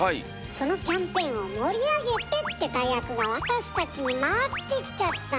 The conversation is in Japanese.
そのキャンペーンを盛り上げて！って大役が私たちに回ってきちゃったのよ。